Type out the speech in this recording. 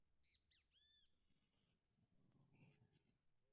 La floración se produce en ene–mar.